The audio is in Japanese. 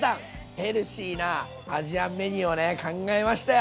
ヘルシーなアジアンメニューをね考えましたよ。